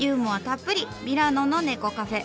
たっぷりミラノの猫カフェ。